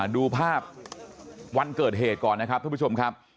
ดูภาพวันเกิดเหตุก่อนนะครับทุกผู้ชมครับ